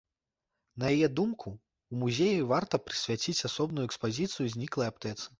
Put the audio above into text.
На яе думку, у музеі варта прысвяціць асобную экспазіцыю зніклай аптэцы.